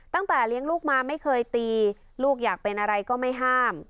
ตั้งแต่เลี้ยงลูกมาไม่เคยตีลูกอยากเป็นอะไรก็ไม่ห้าม